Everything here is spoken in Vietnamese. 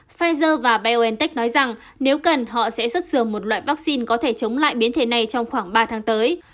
pfizer và biontech nói rằng nếu cần họ sẽ xuất dường một loại vaccine có thể chống lại biến thể này trong khoảng ba tháng tới